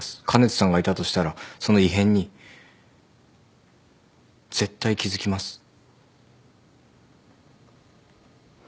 香音人さんがいたとしたらその異変に絶対気付きます。